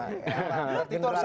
itu harus satu sisi khusus pun